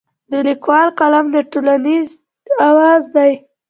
د لیکوال قلم د ټولنې اواز دی.